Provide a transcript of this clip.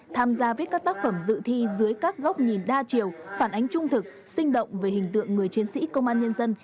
tham gia viết các tác phẩm dự thi dưới các góc nhìn đa chiều phản ánh trung thực sinh động về hình tượng người chiến sĩ công an nhân dân